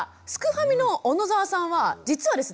ファミの小野澤さんは実はですね